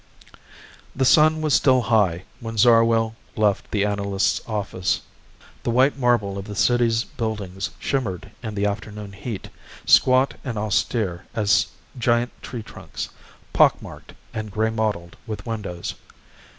The sun was still high when Zarwell left the analyst's office. The white marble of the city's buildings shimmered in the afternoon heat, squat and austere as giant tree trunks, pock marked and gray mottled with windows.